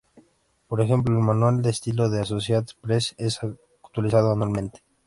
Por ejemplo, el manual de estilo de Associated Press es actualizado anualmente.